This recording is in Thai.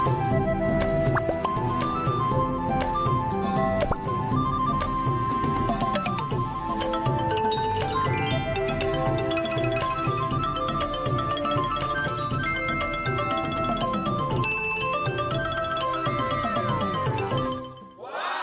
จ้ะ